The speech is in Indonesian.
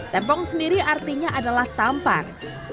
tempong sendiri artinya adalah tampar